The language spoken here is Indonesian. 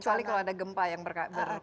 kecuali kalau ada gempa yang berkaitan dengan ini